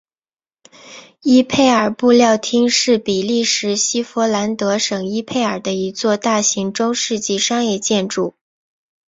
伊佩尔布料厅是比利时西佛兰德省伊佩尔的一座大型中世纪商业建筑。